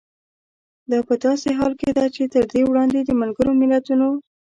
دا په داسې حال کې ده چې تر دې وړاندې د ملګرو ملتونو